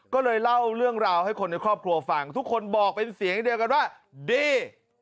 ก็เลยเล่าเรื่องราวให้คนในครอบครัวฟังทุกคนบอกเป็นเสียงเดียวกันว่าดี